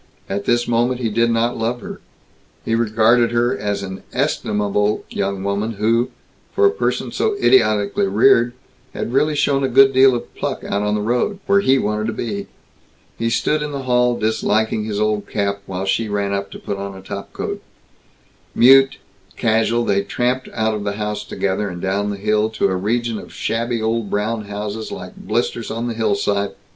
At this moment he did not love her. He regarded her as an estimable young woman who, for a person so idiotically reared, had really shown a good deal of pluck out on the road where he wanted to be. He stood in the hall disliking his old cap while she ran up to put on a top coat. Mute, casual, they tramped out of the house together, and down the hill to a region of shabby old brown houses like blisters on the hillside.